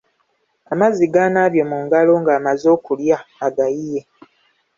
Amazzi g’anaabye mu ngalo nga amaze okulya agayiye.